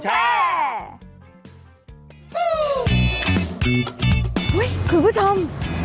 หุยคุณผู้ชม